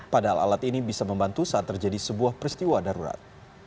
padahal alat ini bisa membantu saat terjadi sebuah peristiwa darurat